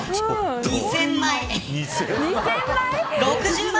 ２０００枚。